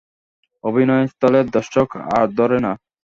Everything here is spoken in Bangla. অভিনয়স্থলে দর্শক আর ধরে না।